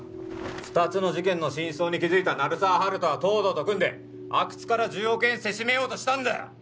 二つの事件の真相に気づいた鳴沢温人は東堂と組んで阿久津から１０億円せしめようとしたんだよ！